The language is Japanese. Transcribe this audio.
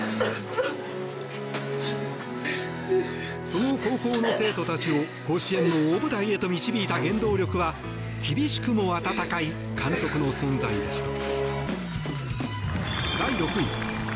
その高校の生徒たちを甲子園の大舞台へと導いた原動力は厳しくも温かい監督の存在でした。